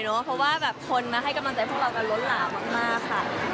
เพราะว่าแบบคนมาให้กำลังใจพวกเรากันล้นหลามมากค่ะ